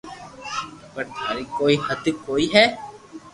پر ٿاري ڪوئي ھد ڪوئي ھي